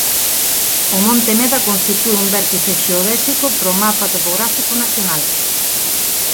O monte Neda constitúe un vértice xeodésico para o Mapa Topográfico Nacional.